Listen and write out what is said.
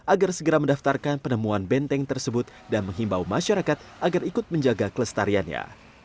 agar segera mendaftarkan penemuan benteng tersebut dan menghimbau masyarakat agar ikut menjaga kelestariannya